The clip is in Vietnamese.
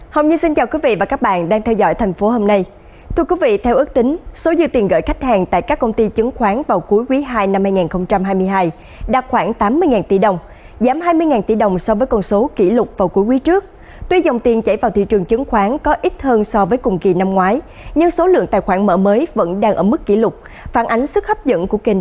hãy đăng ký kênh để ủng hộ kênh của chúng mình nhé